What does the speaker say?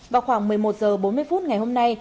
vào khoảng một mươi một h bốn mươi phút ngày hôm nay